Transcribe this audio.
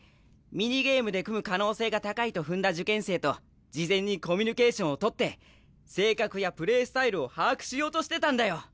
ミニゲームで組む可能性が高いと踏んだ受験生と事前にコミュニケーションをとって性格やプレースタイルを把握しようとしてたんだよ！